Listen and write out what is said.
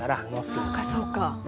そうかそうか。